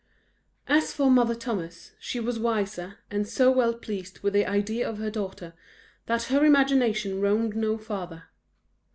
As for Mother Thomas, she was wiser, and so well pleased with the idea of her daughter, that her imagination roamed no farther.